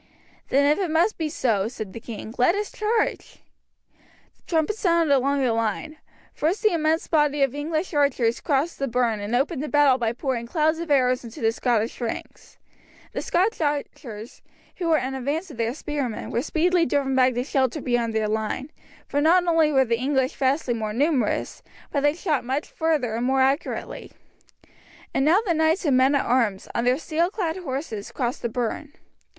"Then if it must be so," said the king, "let us charge." The trumpet sounded along the line. First the immense body of English archers crossed the burn and opened the battle by pouring clouds of arrows into the Scottish ranks. The Scotch archers, who were in advance of their spearmen, were speedily driven back to shelter beyond their line, for not only were the English vastly more numerous, but they shot much further and more accurately. And now the knights and men at arms, on their steel clad horses, crossed the burn.